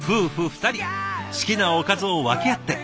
二人好きなおかずを分け合って。